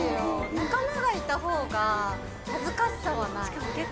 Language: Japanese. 仲間がいたほうが恥ずかしさはない。